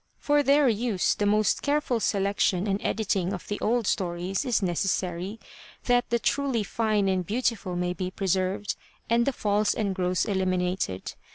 For their use the most careful selection and editing of the old stories is necessary that the truly fine and beautiful may be preserved and the false and gross eliminated.